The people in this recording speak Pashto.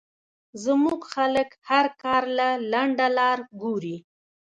زمونږ خلک هر کار له لنډه لار ګوري